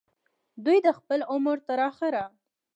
دوي د خپل عمر تر اخره